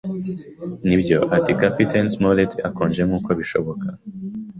“Nibyo?” ati Kapiteni Smollett akonje nkuko bishoboka.